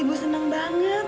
ibu senang banget